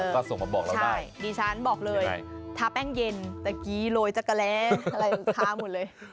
ก็ส่งมาบอกเราได้ดิฉันบอกเลยทาแป้งเย็นตะกี้โรยจักรแร้อะไรทาหมดเลย